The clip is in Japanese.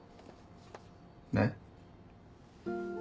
えっ？